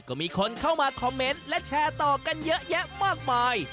ก็มีคนเข้ามาคอมเมนต์และแชร์ต่อกันเยอะแยะมากมาย